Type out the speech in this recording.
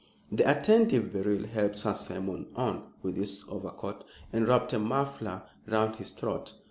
The attentive Beryl helped Sir Simon on with his overcoat and wrapped a muffler round his throat.